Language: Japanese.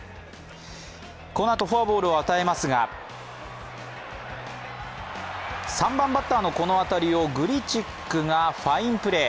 このあとフォアボールを与えますが３番バッターのこの当たりをグリチックがファインプレー。